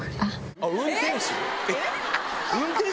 あっ、運転士？